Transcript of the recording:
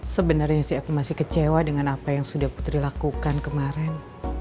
sebenarnya sih aku masih kecewa dengan apa yang sudah putri lakukan kemarin